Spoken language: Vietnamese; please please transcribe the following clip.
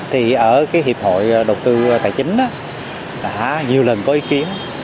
thì ở hiệp hội đầu tư tài chính đã nhiều lần có ý kiến